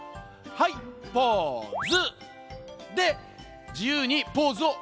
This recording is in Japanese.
「はいポーズ！」